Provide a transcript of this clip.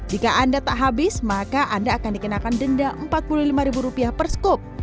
jika anda tidak habis maka anda akan dikenai denda empat puluh lima ribu rupiah per scoop